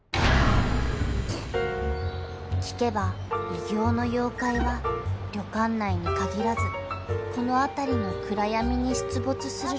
［聞けば異形の妖怪は旅館内に限らずこの辺りの暗闇に出没するらしく］